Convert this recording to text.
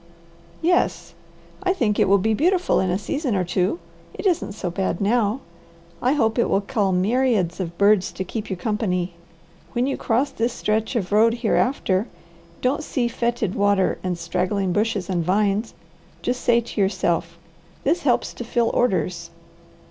"Yes. I think it will be beautiful in a season or two; it isn't so bad now. I hope it will call myriads of birds to keep you company. When you cross this stretch of road hereafter, don't see fetid water and straggling bushes and vines; just say to yourself, this helps to fill orders!"